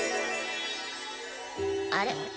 あれ？